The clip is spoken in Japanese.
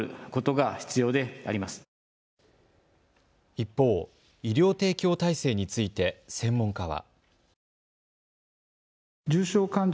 一方、医療提供態勢について専門家は。